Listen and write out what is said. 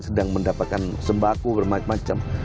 sedang mendapatkan sembako bermacam macam